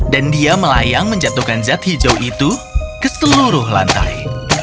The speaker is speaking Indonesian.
dan dia melayang menjatuhkan zat hijau itu ke seluruh lantai